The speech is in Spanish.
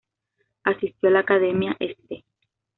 Asistió a la Academia St.